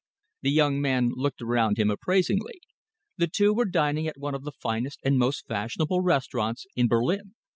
The young man looked around him appraisingly. The two were dining at one of the newest and most fashionable restaurants in Berlin.